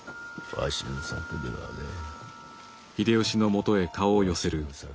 わしの策ではねえ。